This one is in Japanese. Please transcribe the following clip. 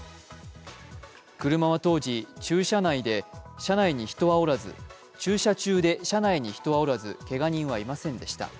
車は当時、駐車中で車内に人はおらず、けが人はいませんでした。